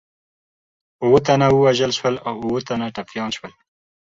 اووه تنه ووژل شول او اووه تنه ټپیان شول.